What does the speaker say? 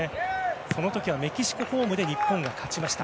その時は、メキシコホームで日本が勝ちました。